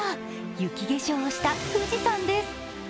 雪化粧をした富士山です。